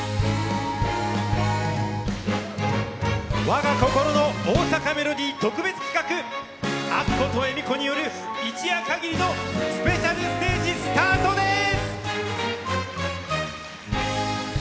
「わが心の大阪メロディー」特別企画アッコと恵美子による一夜限りのスペシャルステージスタートです！